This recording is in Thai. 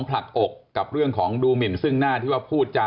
ครับแล้วตกลงตอนนี้หนุ่มแว่นยังอยู่ที่สภพุทธบนธรรมะ